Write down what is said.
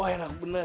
wah enak bener